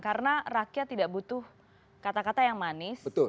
karena rakyat tidak butuh kata kata yang manis